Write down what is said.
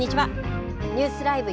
ニュースＬＩＶＥ！